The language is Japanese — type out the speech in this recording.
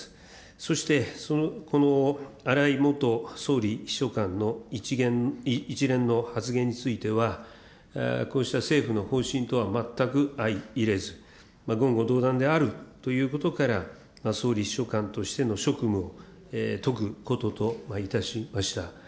そして、この荒井元総理秘書官の一連の発言については、こうした政府の方針とは全く相いれず、言語道断であるということから、総理秘書官としての職務を解くことといたしました。